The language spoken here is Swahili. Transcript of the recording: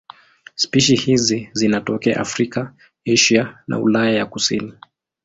Spishi hizi zinatokea Afrika, Asia na Ulaya ya kusini.